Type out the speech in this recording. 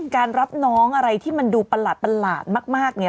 การรับน้องอะไรที่มันดูประหลาดมากเนี่ย